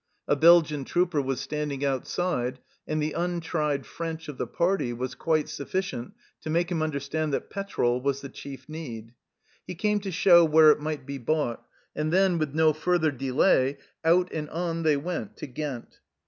A Belgian trooper was standing outside, and the untried French of the party was quite sufficient to make him understand that petrol was the chief need ; he came to show where it might be bought, and then, with no further delay, out and on they went to Ghent.